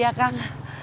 bapak mau pergi